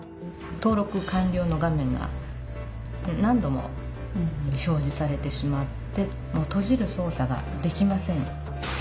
登録完りょうの画面が何度も表じされてしまってもうとじるそう作ができません。